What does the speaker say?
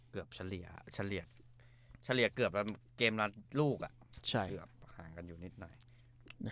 เกือบเฉลี่ยเฉลี่ยเกือบเกมร้านลูกอ่ะเฉลี่ยเกือบหางกันอยู่นิดหน่อย